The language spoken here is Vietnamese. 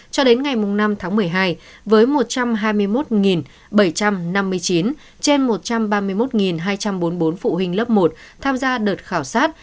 cho đến ngày năm tháng một mươi hai với một trăm hai mươi một bảy trăm năm mươi chín trên một trăm ba mươi một hai trăm bốn mươi bốn phụ huynh lớp một tham gia đợt khảo sát